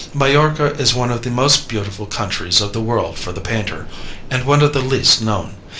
Majorca is one of the most beautiful countries of the world for the painter, and one of the least known.